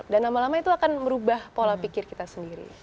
dan lama lama itu akan merubah pola pikir kita sendiri